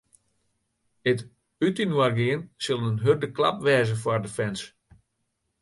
It útinoargean sil in hurde klap wêze foar de fans.